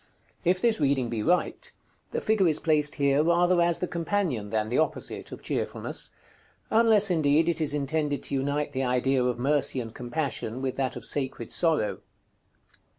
If this reading be right, the figure is placed here rather as the companion, than the opposite, of Cheerfulness; unless, indeed, it is intended to unite the idea of Mercy and Compassion with that of Sacred Sorrow.